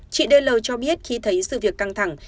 chị d l cho biết khi thấy sự việc căng thẳng